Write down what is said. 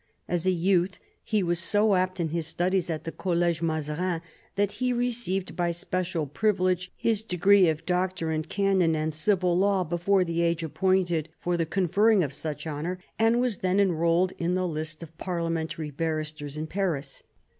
As a youth he was so apt in his studies at the Collège Mazarin that he received by special privilege his degree of Doctor in Canon and Civil Law before the age appointed for the conferring of such honour, and was then enrolled in the list of parliamentary barristers in Paris.